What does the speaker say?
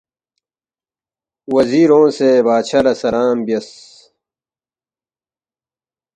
وزیر اونگسے بادشاہ لہ سلام بیاس